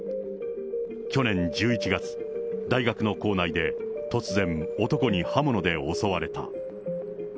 去年１１月、大学の構内で突然、男に刃物で襲われた。